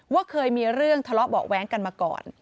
เคยมีเรื่องทะเลาะเบาะแว้งกันมาก่อน